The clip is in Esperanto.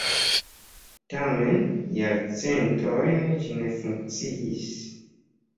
Tamen jarcentojn ĝi ne funkciis.